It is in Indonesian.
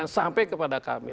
sampai kepada kami